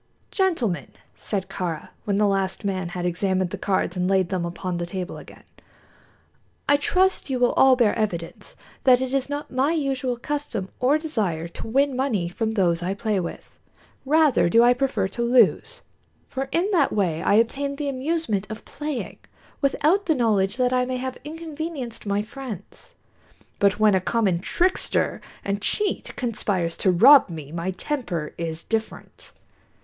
"Gentlemen," said Kāra, when the last man had examined the cards and laid them upon the table again, "I trust you will all bear evidence that it is not my usual custom or desire to win money from those I play with. Rather do I prefer to lose, for in that way I obtain the [Illustration: Following a moment's horrified silence, the viscount sprang up with an oath] amusement of playing, without the knowledge that I may have inconvenienced my friends. But when a common trickster and cheat conspires to rob me, my temper is different.